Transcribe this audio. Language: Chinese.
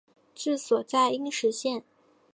治所在阴石县。